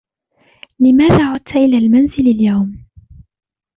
لماذا عُدْتَ إلى المنزلِ اليوم ؟